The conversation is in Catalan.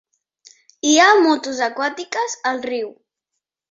Hi ha motos aquàtiques al riu.